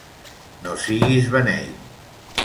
No siguis beneit!